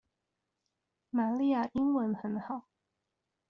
瑪麗亞英文很好